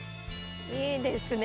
いいですね！